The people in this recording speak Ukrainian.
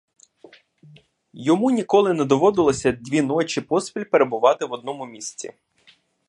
Йому ніколи не доводилося дві ночі поспіль перебути в одному місці.